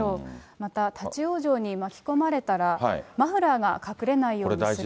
また立ち往生に巻き込まれたらマフラーが隠れないようにする。